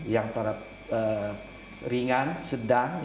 yang tarap ringan sedang